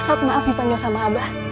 ustadz maaf dipanjang sama abah